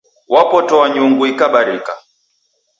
Wapotoa nyungu ikabarika